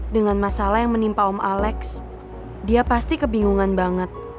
dengan masalah yang menimpa om alex dia pasti kebingungan banget